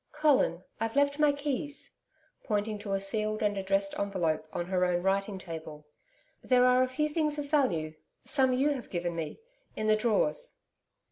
'Colin I've left my keys,' pointing to a sealed and addressed envelope on her own writing table. 'There are a few things of value some you have given me in the drawers.'